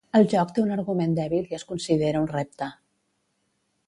El joc té un argument dèbil i es considera un repte.